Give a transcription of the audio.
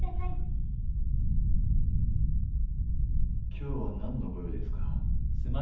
今日は何のご用ですか？